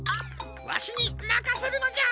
わしにまかせるのじゃ。